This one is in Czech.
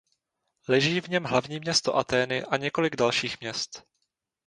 Leží v něm hlavní město Atény a několik dalších měst.